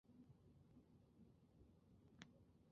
伊科诺米是位于美国阿肯色州波普县的一个非建制地区。